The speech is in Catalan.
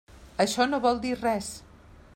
Això no vol dir res.